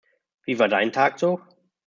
Wie war dein Tag so?